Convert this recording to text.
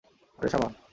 আরে, শামা!